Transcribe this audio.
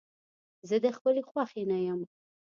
زه د خپلې خوښې نه يم.